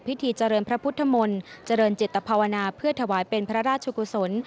พิธีเจริญพระพุทธมนตร์เจริญจิตภาวนาเพื่อถวายเป็นพระราชกุศล